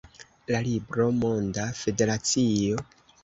La libro Monda Federacio?